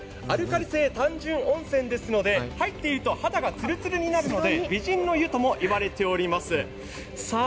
アルカリ性単純温泉ですので入っていると肌がつるつるになるので美人の湯ともいわれています。